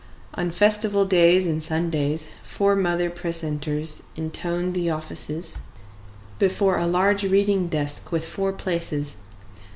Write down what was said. On festival days and Sundays four mother precentors intone the offices before a large reading desk with four places.